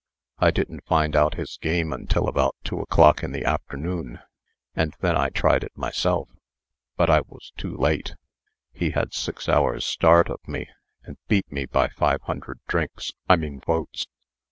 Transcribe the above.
I didn't find out his game till about two o'clock in the afternoon, and then I tried it myself. But I was too late. He had six hours' start of me, and beat me by five hundred drinks I mean votes."